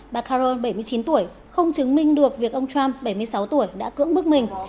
bà caron bảy mươi chín tuổi không chứng minh được việc ông trump bảy mươi sáu tuổi đã cưỡng bức mình